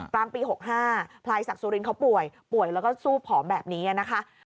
กลางปี๖๕พลายศักดิ์สุรินเขาป่วยป่วยแล้วก็สู้ผอมแบบนี้นะคะ